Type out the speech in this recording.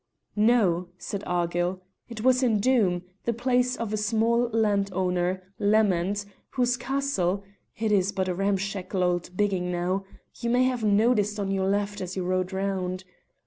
"No," said Argyll, "it was in Doom, the place of a small landowner, Lamond, whose castle it is but a ramshackle old bigging now you may have noticed on your left as you rode round.